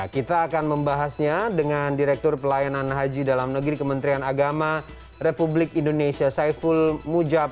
kita akan membahasnya dengan direktur pelayanan haji dalam negeri kementerian agama republik indonesia saiful mujab